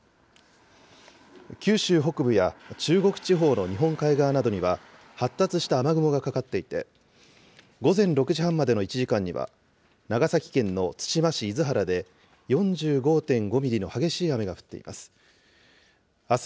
九州北部や中国地方の日本海側などには発達した雨雲がかかっていて、午前６時半までの１時間には長崎県の対馬市厳原で４５．５ミリの激しい雨が降っています。